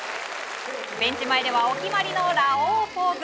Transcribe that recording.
ベンチ前ではお決まりのラオウポーズ。